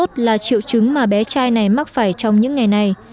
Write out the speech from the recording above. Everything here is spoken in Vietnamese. sốt là triệu chứng mà bé trai này mắc phải trong những ngày này